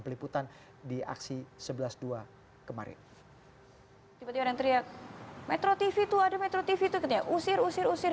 peliputan di aksi sebelas dua kemarin tiba tiba ada yang teriak metro tv tuh ada metro tv itu katanya usir usir usir